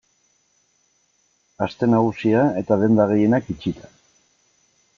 Aste Nagusia eta denda gehienak itxita.